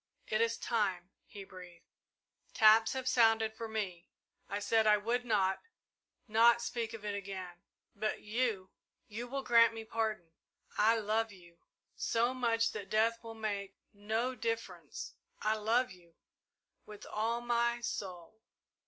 "It is time," he breathed. "Taps have sounded for me. I said I would not not speak of it again but you you will grant me pardon I love you so much that death will make no difference I love you with all my soul!"